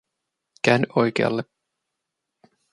Käänny oikealle